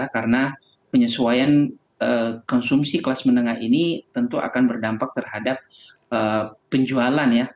karena penyesuaian konsumsi kelas menengah ini tentu akan berdampak terhadap penjualan ya